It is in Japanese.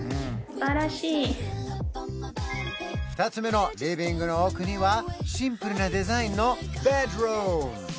２つ目のリビングの奥にはシンプルなデザインのベッドルーム